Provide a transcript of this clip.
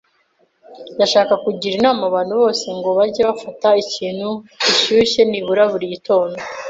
Ndashaka kugira inama abantu bose ngo bajye bafata ikintu gishyushye nibura buri gitondo.